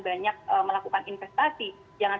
banyak melakukan investasi jangan